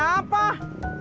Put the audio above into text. bapak bapak bapak